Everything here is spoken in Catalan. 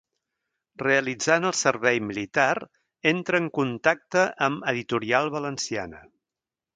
Realitzant el servei militar, entra en contacte amb Editorial Valenciana.